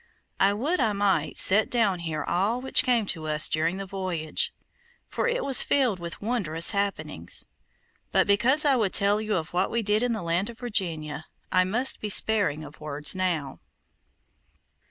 I would I might set down here all which came to us during the voyage, for it was filled with wondrous happenings; but because I would tell of what we did in the land of Virginia, I must be sparing of words now.